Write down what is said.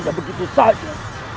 dan begitu saja